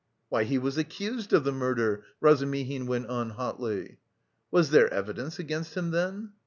"Why, he was accused of the murder," Razumihin went on hotly. "Was there evidence against him then?"